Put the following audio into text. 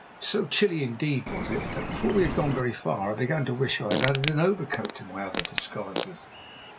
So chilly indeed was it that before we had gone very far I began to wish I had added an overcoat to my other disguises.